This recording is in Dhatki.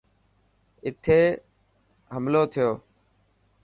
اٿي حملو ٿيو.